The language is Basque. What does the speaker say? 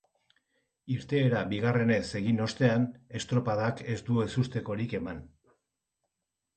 Irteera bigarrenez egin ostean, estropadak ez du ezustekorik eman.